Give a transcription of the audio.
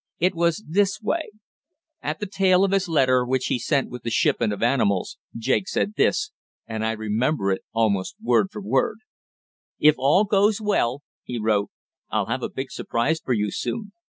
"It was this way: At the tail of his letter which he sent with the shipment of animals Jake said this, and I remember it almost word for word:" "'If all goes well,' he wrote, 'I'll have a big surprise for you soon.